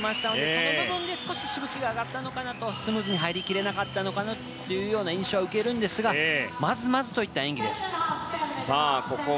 その部分で少ししぶきが上がったのとスムーズに入りきれなかったのかなというような印象は受けるんですがまずまずといった演技です。